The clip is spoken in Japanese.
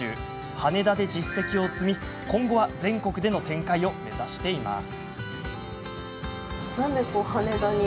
羽田で実績を積み、今後は全国での展開を目指しています。